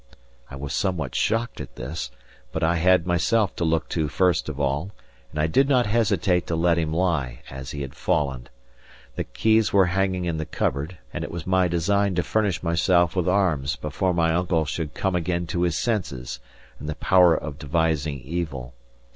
I was somewhat shocked at this; but I had myself to look to first of all, and did not hesitate to let him lie as he had fallen. The keys were hanging in the cupboard; and it was my design to furnish myself with arms before my uncle should come again to his senses and the power of devising evil.